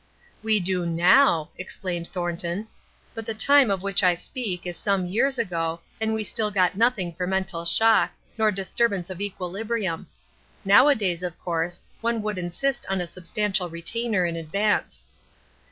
"We do now" explained Thornton, "but the time of which I speak is some years ago and we still got nothing for mental shock, nor disturbance of equilibrium. Nowadays, of course, one would insist on a substantial retainer in advance.